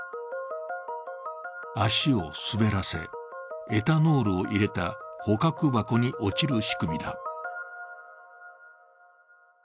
足を滑らせ、エタノールを入れた捕獲箱に落ちる仕組みだ。